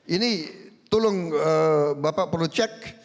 ini tolong bapak perlu cek